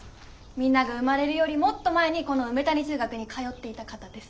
みんなが生まれるよりもっと前にこの梅谷中学に通っていた方です。